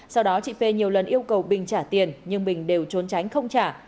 sau đó chị p nhiều lần yêu cầu bình trả tiền nhưng bình đều trốn tránh không trả